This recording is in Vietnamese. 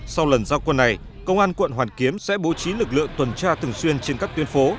sau lần giao quân này công an quận hoàn kiếm sẽ bố trí lực lượng tuần tra thường xuyên trên các tuyến phố